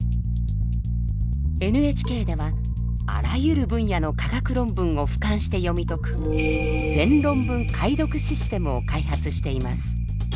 ＮＨＫではあらゆる分野の科学論文をふかんして読み解く全論文解読システムを開発しています。